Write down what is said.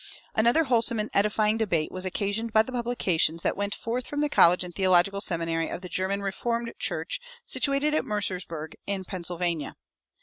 Another wholesome and edifying debate was occasioned by the publications that went forth from the college and theological seminary of the German Reformed Church, situated at Mercersburg in Pennsylvania.